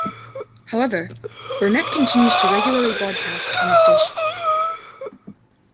However, Burnett continues to regularly broadcast on the station.